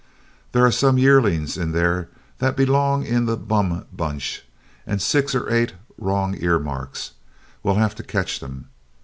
"There are some yearlings in there that belong in the 'bum bunch,' and six or eight with wrong earmarks. We'll have to catch them."